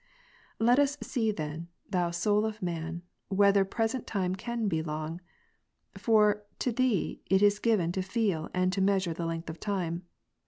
19. Let us see then, thou soul of man, whether present time can be long : for to thee it is given to feel and to mea sure length of time.